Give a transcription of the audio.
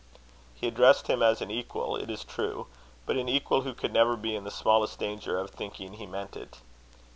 He addressed him as an equal, it is true; but an equal who could never be in the smallest danger of thinking he meant it.